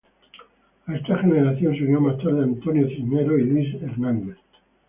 A esta generación se unió más tarde Antonio Cisneros y Luis Hernández.